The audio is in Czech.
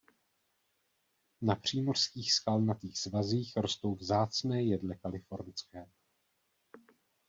Na přímořských skalnatých svazích rostou vzácné jedle kalifornské.